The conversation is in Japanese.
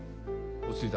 落ち着いて。